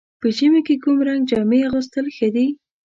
په ژمي کې کوم رنګ جامې اغوستل ښه دي؟